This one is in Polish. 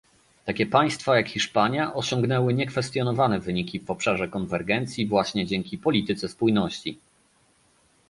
Takie państwa, jak Hiszpania osiągnęły niekwestionowane wyniki w obszarze konwergencji właśnie dzięki polityce spójności